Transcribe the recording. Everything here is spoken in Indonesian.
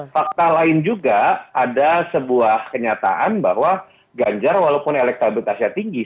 fakta lain juga ada sebuah kenyataan bahwa ganjar walaupun elektabilitasnya tinggi